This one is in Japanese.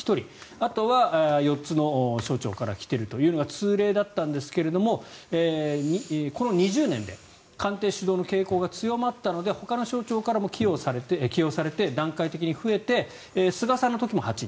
あとは４つの省庁から来ているというのが通例だったんですがこの２０年で官邸主導の傾向が強まったのでほかの省庁からも起用されて段階的に増えて菅さんの時も８人